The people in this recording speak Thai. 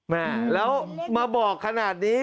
แม่แล้วมาบอกขนาดนี้